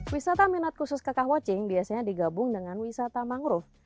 wisata minat khusus kakak watching biasanya digabung dengan wisata mangrove